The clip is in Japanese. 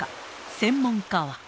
専門家は。